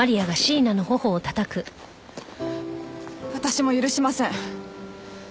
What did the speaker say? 私も許しません。